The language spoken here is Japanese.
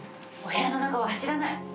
お部屋の中は走らない。